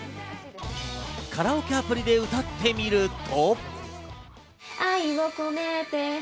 カラオケアプリで歌ってみると。